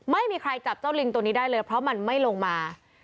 ไม่มีใครจับเจ้าลิงตัวนี้ได้เลยเพราะมันไม่ลงมา